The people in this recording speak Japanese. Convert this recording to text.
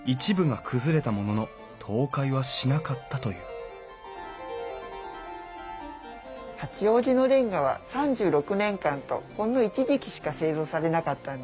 このカフェのれんがは八王子のれんがは３６年間とほんの一時期しか製造されなかったんです。